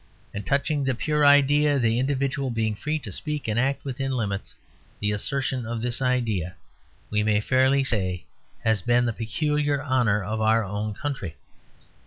And touching the pure idea of the individual being free to speak and act within limits, the assertion of this idea, we may fairly say, has been the peculiar honour of our own country.